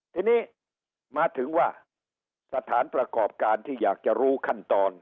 ทีนี้มาถึงว่าสถานประกอบการที่อยากจะรู้ขั้นตอน